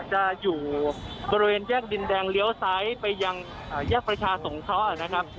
จะอยู่บริเวณแยกดินแดงเลี้ยวซ้ายไปยังแยกประชาสงเคราะห์นะครับ